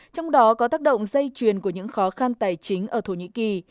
trong đó có tác động dây truyền của những khó khăn tài chính ở thổ nhĩ kỳ